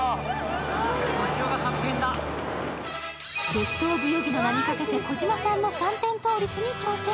ベストオブヨギの名にかけて児嶋さんも三点倒立に挑戦。